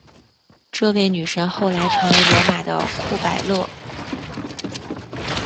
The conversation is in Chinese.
这位女神后来成为罗马的库柏勒。